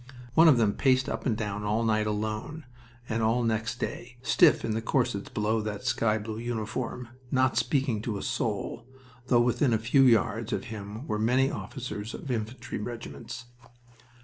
One of them paced up and down all night alone, and all next day, stiff in the corsets below that sky blue uniform, not speaking to a soul, though within a few yards of him were many officers of infantry regiments.